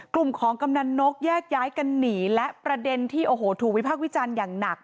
กลุ่มของกำนันนกแยกย้ายกันหนีและประเด็นที่โอ้โหถูกวิพากษ์วิจารณ์อย่างหนัก